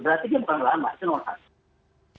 berarti dia bukan ulama itu nolhasa